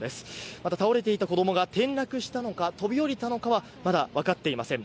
また倒れていた子供が転落したのか、飛び降りたのかはまだ分かっていません。